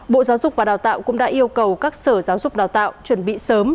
bộ giáo dục và đào tạo cũng đã yêu cầu các sở giáo dục đào tạo chuẩn bị sớm